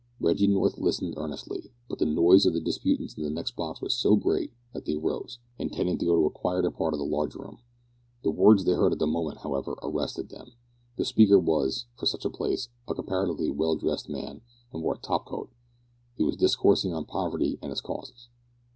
Reggie North listened earnestly, but the noise of the disputants in the next box was so great that they rose, intending to go to a quieter part of the large room. The words they heard at the moment, however, arrested them. The speaker was, for such a place, a comparatively well dressed man, and wore a top coat. He was discoursing on poverty and its causes.